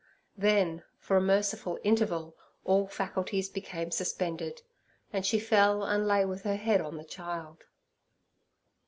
Then for a merciful interval all faculties became suspended, and she fell and lay with her head on the child.